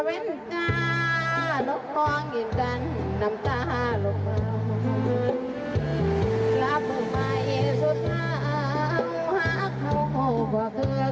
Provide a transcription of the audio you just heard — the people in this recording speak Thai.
หลบคว้างเห็นจันทร์นำจ้าหลบเผื่อ